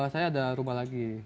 saya ada rumah lagi